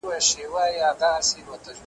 ګلدستې یې جوړوو د ګرېوانونو ,